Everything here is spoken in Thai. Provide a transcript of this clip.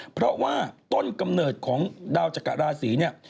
เพราะว่าต้นกำเนิดของดาวจักรราศีเนี่ย